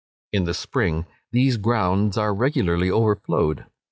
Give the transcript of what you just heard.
In the spring, these grounds are regularly overflowed.